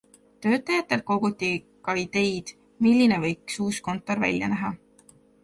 Töötajatelt koguti ka ideid, milline võiks uus kontor välja näha.